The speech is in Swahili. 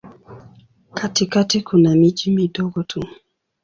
Katikati kuna miji midogo tu.